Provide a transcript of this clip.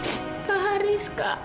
kok pak haris sih mila kenapa